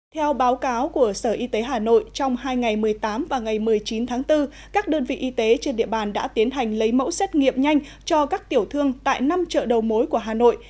theo báo cáo của sở y tế hà nội trong hai ngày một mươi tám và ngày một mươi chín tháng bốn các đơn vị y tế trên địa bàn đã tiến hành lấy mẫu xét nghiệm nhanh cho các tiểu thương tại năm chợ đầu mối của hà nội